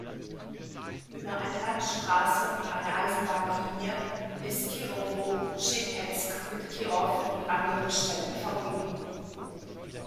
Über eine Landstraße und eine Eisenbahnlinie ist Kirowo-Tschepezk mit Kirow und anderen Städten verbunden.